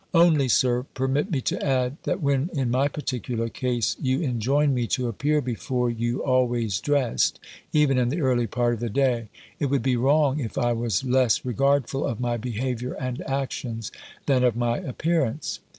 "Only, Sir, permit me to add, that when, in my particular case, you enjoin me to appear before you always dressed, even in the early part of the day, it would be wrong, if I was less regardful of my behaviour and actions, than of my appearance."